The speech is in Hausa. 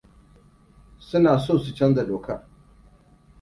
Suna so su canza dokan.